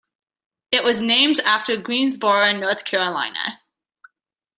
It was named after Greensboro, North Carolina.